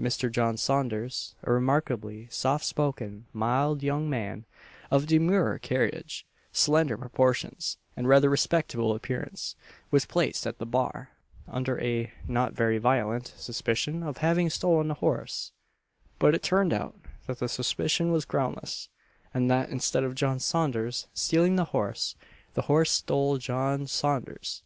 Mr. John Saunders, a remarkably soft spoken, mild young man, of demure carriage, slender proportions, and rather respectable appearance, was placed at the bar, under a (not very violent) suspicion of having stolen a horse; but it turned out that the suspicion was groundless, and that instead of John Saunders stealing the horse, the horse stole John Saunders!